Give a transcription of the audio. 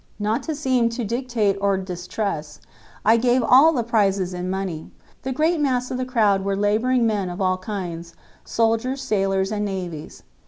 Not to seem to dictate or distrust, I gave all the prizes in money. The great mass of the crowd were laboring men of all kinds, soldiers, sailors and navvies.